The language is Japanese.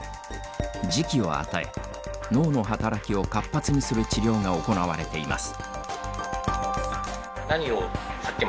磁気を与え脳の働きを活発にする治療が行われています。